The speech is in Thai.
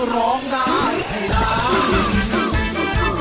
ร้องได้ให้ร้าน